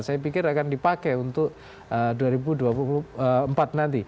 saya pikir akan dipakai untuk dua ribu dua puluh empat nanti